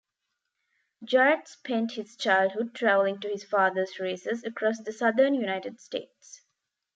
Jarrett spent his childhood traveling to his father's races across the Southern United States.